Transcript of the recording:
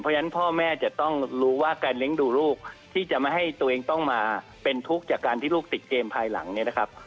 เพราะฉะนั้นพ่อแม่จะต้องรู้ว่าการเลี้ยงดูลูกที่จะไม่ให้ตัวเองต้องมาเป็นทุกข์จากการที่ลูกติดเกมภายหลังเนี่ยนะครับ